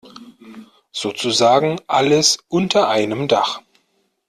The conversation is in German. Sozusagen alles unter einem Dach.